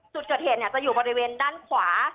จุดเกิดเหตุจะอยู่บริเวณด้านขวา